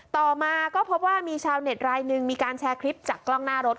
ต่อมาก็พบว่ามีชาวเน็ตรายหนึ่งมีการแชร์คลิปจากกล้องหน้ารถ